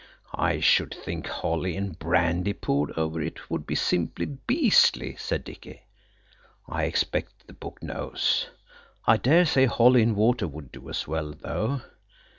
'" "I should think holly and brandy poured over it would be simply beastly," said Dicky. "I expect the book knows. I daresay holly and water would do as well though.